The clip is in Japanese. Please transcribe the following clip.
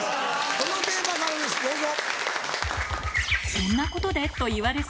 このテーマからですどうぞ。